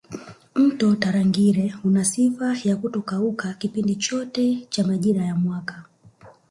Mto Tarangire una sifa ya kutokauka kipindi chote cha majira ya mwaka